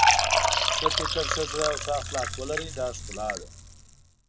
ښه فکر ښه زړه او ښه اخلاق ولرئ دا ښکلا ده.